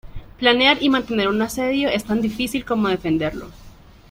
Planear y mantener un asedio es tan difícil como defenderlo.